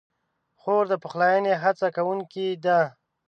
خور د پخلاینې هڅه کوونکې ده.